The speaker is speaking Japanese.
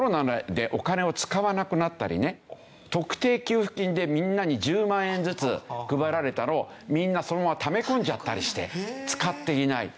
特定給付金でみんなに１０万円ずつ配られたのをみんなそのままため込んじゃったりして使っていない。